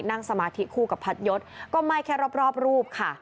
นั่งสมาธิคู่กับพระยศก็ไม่แค่รอบรูปค่ะ